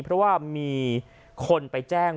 เพราะว่ามีคนไปแจ้ง